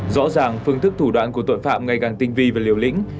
rõ ràng phương thức thủ đoạn của tội phạm ngày càng tinh vi và liều lĩnh